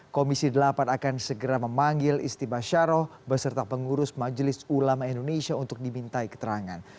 komisi delapan akan segera memanggil istiba syaroh beserta pengurus majelis ulama indonesia untuk dimintai keterangan